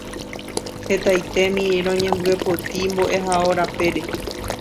Hetaitémi roñombyepoti mbo'ehao rapére.